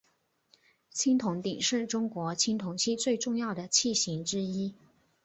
青铜鼎是中国青铜器最重要的器形之一。